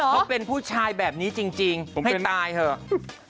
เขาเป็นผู้ชายแบบนี้จริงผมให้ตายเถอะ